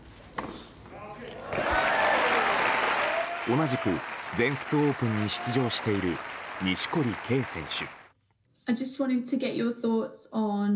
同じく全仏オープンに出場している錦織圭選手。